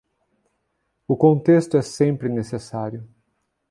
O contexto é sempre necessário.